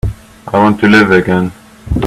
I want to live again.